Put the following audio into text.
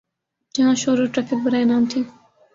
جہاں شور اور ٹریفک برائے نام تھی۔